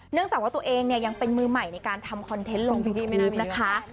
จากว่าตัวเองเนี่ยยังเป็นมือใหม่ในการทำคอนเทนต์ลงคลิปนะคะ